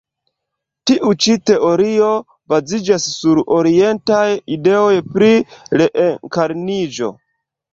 Tiu ĉi teorio baziĝas sur orientaj ideoj pri reenkarniĝo.